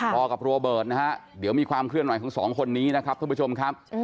พอกับโรเบิร์ตนะฮะเดี๋ยวมีความเคลื่อนไหวของสองคนนี้นะครับท่านผู้ชมครับ